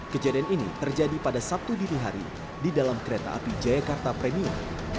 kejadian ini terjadi pada sabtu dini hari di dalam kereta api jayakarta premium